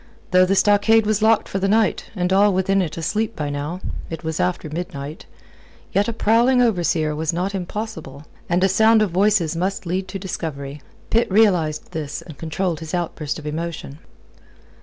Though the stockade was locked for the night, and all within it asleep by now it was after midnight yet a prowling overseer was not impossible, and a sound of voices must lead to discovery. Pitt realized this, and controlled his outburst of emotion.